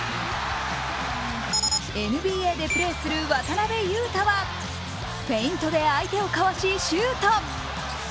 ＮＢＡでプレーする渡邊雄太はフェイントで相手を交わしシュート。